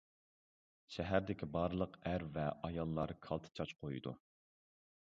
شەھەردىكى بارلىق ئەر ۋە ئاياللار كالتە چاچ قويىدۇ.